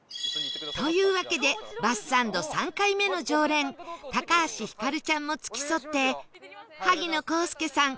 というわけでバスサンド３回目の常連橋ひかるちゃんも付き添って萩野公介さん